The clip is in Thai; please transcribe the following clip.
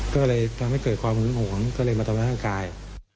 ก็เลยทำให้เกิดความหวงก็เลยมาตรวจทางกาย